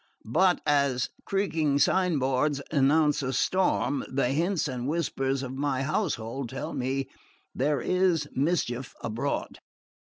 But as creaking signboards announce a storm, the hints and whispers of my household tell me there is mischief abroad.